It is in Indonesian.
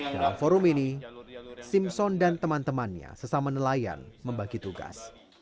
dalam forum ini simpson dan teman temannya sesama nelayan membagi tugas